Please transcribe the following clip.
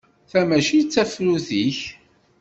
Ta mačči d tafrut-ik.